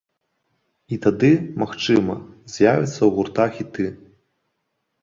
І тады, магчыма, з'явяцца ў гурта хіты.